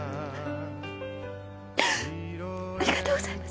ありがとうございます。